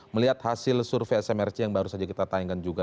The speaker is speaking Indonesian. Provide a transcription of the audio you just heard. melihat hasil survei smrc yang baru saja kita tayangkan juga